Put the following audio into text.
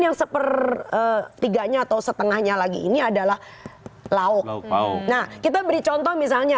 yang sepertiganya atau setengahnya lagi ini adalah lauk lauk nah kita beri contoh misalnya